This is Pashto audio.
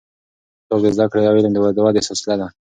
کتاب د زده کړې او علم د ودې وسیله ده.